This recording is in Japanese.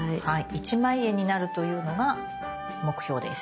一枚絵になるというのが目標です。